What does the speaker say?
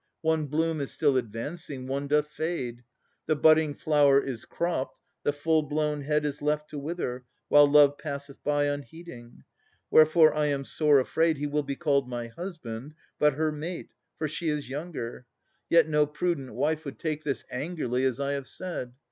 One bloom is still advancing, one doth fade. The budding flower is cropped, the full blown head Is left to wither, while love passeth by Unheeding. Wherefore I am sore afraid He will be called my husband, but her mate, For she is younger. Yet no prudent wife Would take this angerly, as I have said.